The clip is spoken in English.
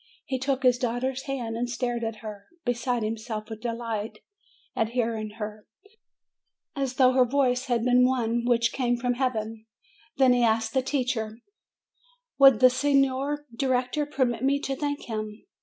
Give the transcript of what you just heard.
He took his daughter's hands, and stared at her, beside him self with delight at hearing her, as though her voice had been one which came from Heaven ; then he asked the teacher, "Would the Signer Director permit me to thank him?"